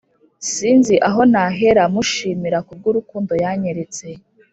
sinzi aho nahera mushimira kubw'urukundo yanyeretse